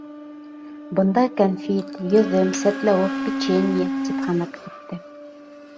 — Бында кәнфит, йөҙөм, сәтләүек, печенье...— тип һанап китте.